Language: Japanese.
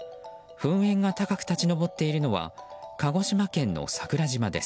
噴煙が高く立ち上っているのは鹿児島県の桜島です。